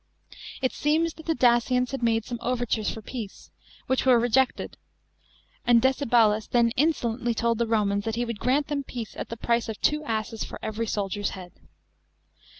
It stems that the Dacians made some overtures tor peace, which were rej ct< d, and DiCehalus then insolently told the Romans that he wo .Id grant them peace at the price of two asses lor eveiy soldier's head.